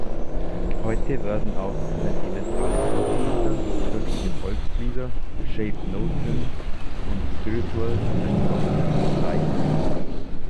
Heute werden auch sentimentale Kirchenlieder, kirchliche Volkslieder, Shape-Note-Hymns und Spirituals als "Gospels" bezeichnet.